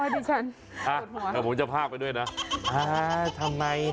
โปรดติดตามตอนต่อไป